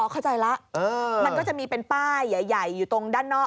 เข้าใจแล้วมันก็จะมีเป็นป้ายใหญ่อยู่ตรงด้านนอก